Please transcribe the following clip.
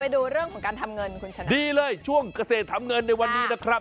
ดูเรื่องของการทำเงินคุณชนะดีเลยช่วงเกษตรทำเงินในวันนี้นะครับ